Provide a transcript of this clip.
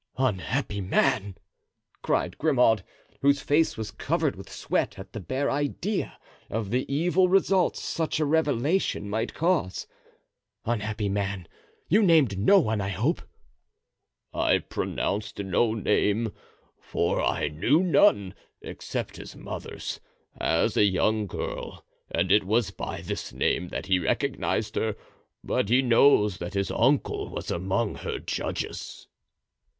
"Unhappy man!" cried Grimaud, whose face was covered with sweat at the bare idea of the evil results such a revelation might cause; "unhappy man, you named no one, I hope?" "I pronounced no name, for I knew none, except his mother's, as a young girl, and it was by this name that he recognized her, but he knows that his uncle was among her judges."